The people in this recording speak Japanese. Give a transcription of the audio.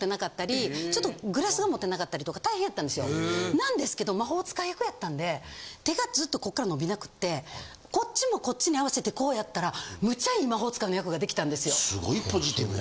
なんですけど魔法使い役やったんで手がずっとこっから伸びなくてこっちもこっちに合わせてこうやったらむっちゃいい魔法使いの役が出来たんですよ。